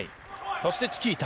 そしてチキータ。